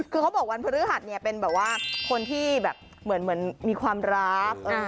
คือเขาบอกวันพฤหัสเนี่ยเป็นแบบว่าคนที่แบบเหมือนมีความรัก